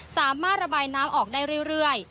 สามารถระบายน้ำออกได้เรื่อย